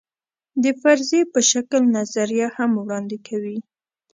د فرضیې په شکل نظریه هم وړاندې کوي.